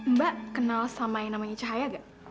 mbak kenal sama yang namanya cahaya gak